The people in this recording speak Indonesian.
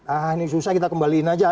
ah ini susah kita kembaliin aja